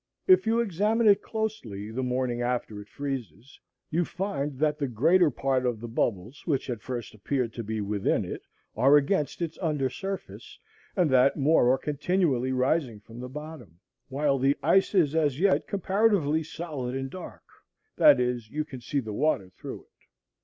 If you examine it closely the morning after it freezes, you find that the greater part of the bubbles, which at first appeared to be within it, are against its under surface, and that more are continually rising from the bottom; while the ice is as yet comparatively solid and dark, that is, you see the water through it.